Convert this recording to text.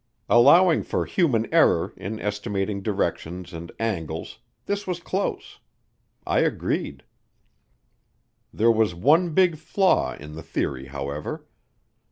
Allowing for human error in estimating directions and angles, this was close. I agreed. There was one big flaw in the theory, however.